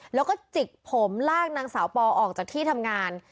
แล้วก็จิกผมลากนางสาวปอออกจากที่ทำงาน